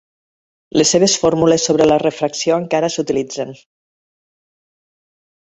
Les seves fórmules sobre la refracció encara s'utilitzen.